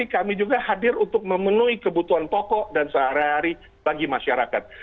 kami juga hadir untuk memenuhi kebutuhan pokok dan sehari hari bagi masyarakat